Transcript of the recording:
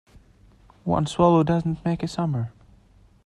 One swallow does not make a summer.